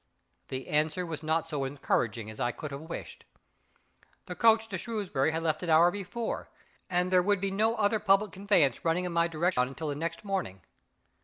The answer was not so encouraging as I could have wished. The coach to Shrewsbury had left an hour before, and there would be no other public conveyance running in my direct ion until the next morning.